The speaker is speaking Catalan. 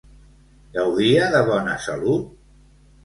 Gaudia de bona salut?